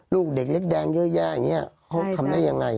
โลกเด็กเล็กแดงเยอะแย่ก็ทำได้อย่างไร